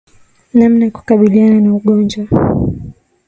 Namna ya kukabiliana na ugonjwa